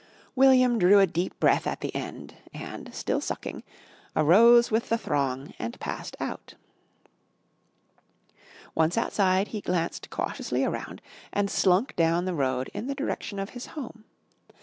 William drew a deep breath at the end, and still sucking, arose with the throng and passed out. Once outside, he glanced cautiously around and slunk down the road in the direction of his home.